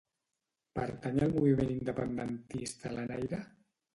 Pertany al moviment independentista la Naira?